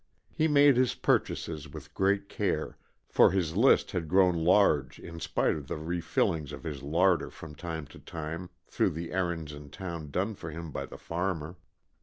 He made his purchases with great care, for his list had grown large in spite of the refillings of his larder from time to time through the errands in town done for him by the farmer.